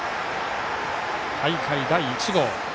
大会第１号。